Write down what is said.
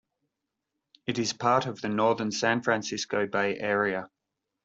It is part of the northern San Francisco Bay Area.